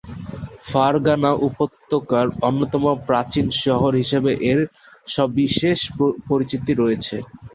Fergana উপত্যকার অন্যতম প্রাচীন শহর হিসেবে এর সবিশেষ পরিচিতি রয়েছে।